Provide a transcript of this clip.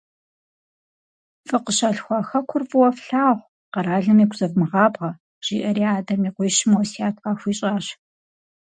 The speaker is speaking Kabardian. Фыкъыщалъхуа Хэкур фӀыуэ флъагъу, къэралым игу зэвмыгъабгъэ, - жиӏэри, адэм и къуищым уэсят къахуищӀащ.